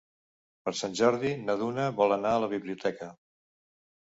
Per Sant Jordi na Duna vol anar a la biblioteca.